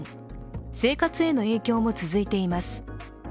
生活への影響も続いています。